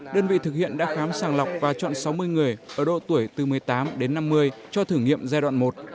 đơn vị thực hiện đã khám sàng lọc và chọn sáu mươi người ở độ tuổi từ một mươi tám đến năm mươi cho thử nghiệm giai đoạn một